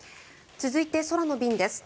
続いて、空の便です。